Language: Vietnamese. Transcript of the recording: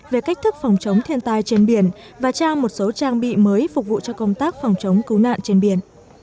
về cách thức phòng chống thiên tai trên biển và trao một số trang bị mới phục vụ cho công tác phòng chống cứu nạn trên biển